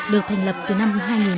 được thành lập từ năm hai nghìn tám